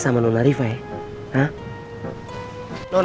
hazirl undang aeran ujung sorot